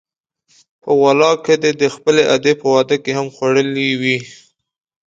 په والله که دې د خپلې ادې په واده کې هم خوړلي وي.